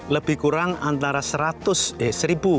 lebih kurang antara seratus eh seribu